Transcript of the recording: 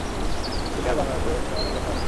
তুমি আর বার্নার্ডো, তোমাদের ভরসা আছে।